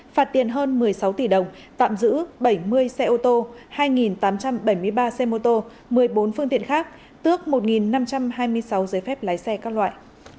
phạt tiền hơn một mươi sáu tỷ đồng tạm giữ bảy mươi xe ô tô hai tám trăm bảy mươi ba xe mô tô một mươi bốn phương tiện khác tước một năm trăm hai mươi sáu giấy phép lái xe các loại